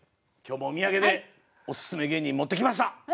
今日もお土産でおすすめ芸人持ってきました。